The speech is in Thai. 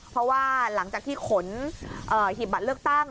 เพราะว่าหลังจากที่ขนหีบบัตรเลือกตั้ง